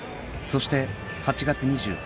そして８月２８日